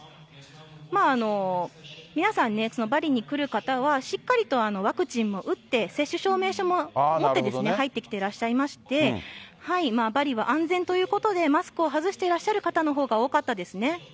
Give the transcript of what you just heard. まあ、皆さんね、バリに来る方は、しっかりとワクチンも打って、接種証明書も持って入ってきていらっしゃいまして、バリは安全ということで、マスクを外してらっしゃる方のほうが多かったですね。